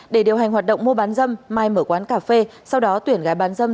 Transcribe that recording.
để điều hành hoạt động mua bán dâm mai mở quán cà phê sau đó tuyển gái bán dâm